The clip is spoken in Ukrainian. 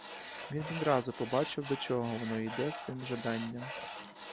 Він відразу побачив, до чого воно йде з тим жаданням.